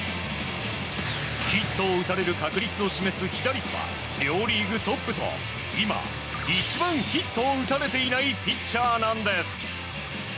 ヒットを打たれる確率を示す被打率は両リーグトップと今、一番ヒットを打たれていないピッチャーなんです。